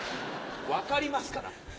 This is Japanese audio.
分かりますから。